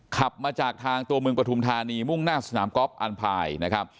ขับมาจากทางตัวเมืองปฐุมธานีมุ่งหน้าสนามกอล์ฟอันพายนะครับ